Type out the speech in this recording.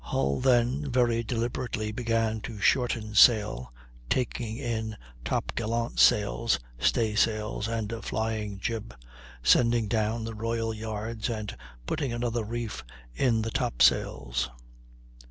Hull then very deliberately began to shorten sail, taking in top gallant sails, stay sails, and flying jib, sending down the royal yards and putting another reef in the top sails.